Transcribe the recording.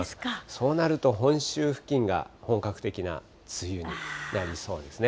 そうなると本州付近が本格的な梅雨になりそうですね。